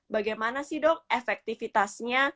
bagaimana sih dok efektivitasnya